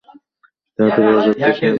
তাহাদের রাজত্বে যে সবই মন্দ ছিল, তাহা নহে।